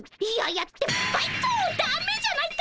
だめじゃないか！